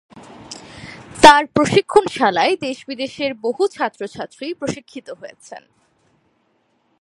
তার প্রশিক্ষণশালায় দেশ বিদেশের বহু ছাত্রছাত্রী প্রশিক্ষিত হয়েছেন।